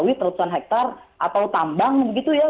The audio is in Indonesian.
kebun kelapa sawit ratusan hektare atau tambang gitu ya